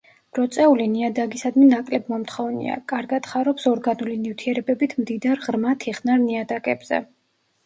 ბროწეული ნიადაგისადმი ნაკლებმომთხოვნია, კარგად ხარობს ორგანული ნივთიერებებით მდიდარ ღრმა თიხნარ ნიადაგებზე.